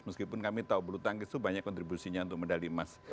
meskipun kami tahu bulu tangkis itu banyak kontribusinya untuk medali emas